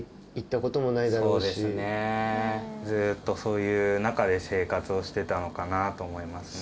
そうですねずっとそういう中で生活をしてたのかなと思いますね。